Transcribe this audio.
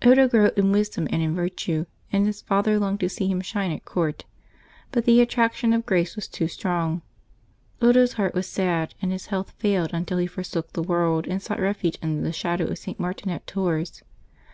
Odo grew in wisdom and in virtue, and his father longed to see him shine at court. But the attrac tion of grace was too strong. Odo's heart was sad and his health failed, until he forsook the world and sought refuge under the shadow of St. Martin at Tours.